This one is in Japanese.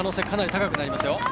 かなり高くなりますよ。